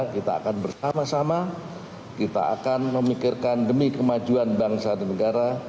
kita akan bersama sama kita akan memikirkan demi kemajuan bangsa dan negara